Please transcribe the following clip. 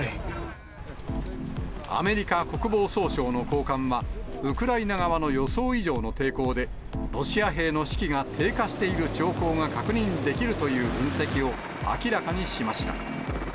アメリカ国防総省の高官は、ウクライナ側の予想以上の抵抗で、ロシア兵の士気が低下している兆候が確認できるという分析を明らかにしました。